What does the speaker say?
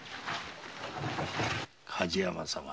梶山様